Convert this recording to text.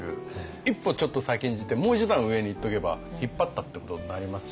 一歩ちょっと先んじてもう一段上にいっておけば引っ張ったってことになりますしね。